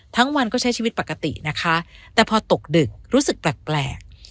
ทั้งวันก็ใช้ชีวิตปกตินะคะแต่พอตกดึกรู้สึกแปลก